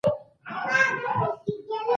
ځوانان د ملت راتلونکې دي.